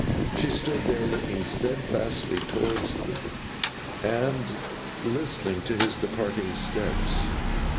She stood there, looking steadfastly towards them, and listening to his departing steps.